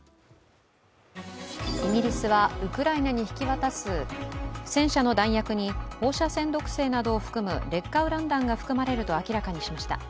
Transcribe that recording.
イギリスはウクライナに引き渡す戦車の弾薬に放射性毒性などを含む劣化ウラン弾が含まれると明らかにしました。